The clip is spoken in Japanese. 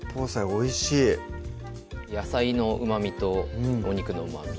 おいしい野菜のうまみとお肉のうまみ